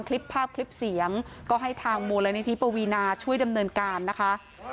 คลิปภาพคลิปเสียงก็ให้ทางมูลนิธิปวีนาช่วยดำเนินการนะคะ